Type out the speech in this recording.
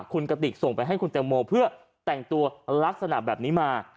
คุณกติกส่งไปให้คุณแตงโมเพื่อแต่งตัวลักษณะแบบนี้มา